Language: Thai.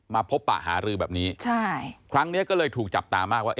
มาพบปะหารือแบบนี้ใช่ครั้งนี้ก็เลยถูกจับตามากว่า